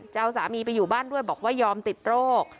จะเอาสามีไปอยู่บ้านด้วยบอกว่ายอมติดโรค